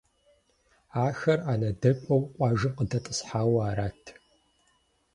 Ахэр анэдэкӏуэу къуажэм къыдэтӏысхьауэ арат.